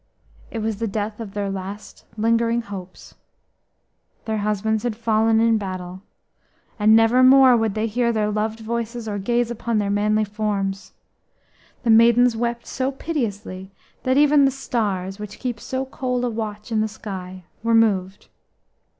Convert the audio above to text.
It was the death of their last lingering hopes. Their husbands had fallen in battle, and never more would they hear their loved voices or gaze upon their manly forms. The maidens wept so piteously that even the stars which keep so cold a watch in the sky were moved.